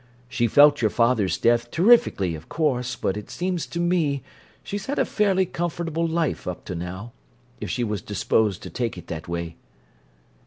She felt your father's death terrifically, of course, but it seems to me she's had a fairly comfortable life—up to now—if she was disposed to take it that way."